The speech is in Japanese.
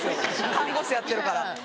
看護師やってるから。